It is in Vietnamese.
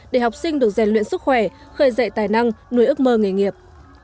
để học sinh được rèn luyện sức khỏe khởi dạy tài năng nuôi ước mơ nghề nghiệp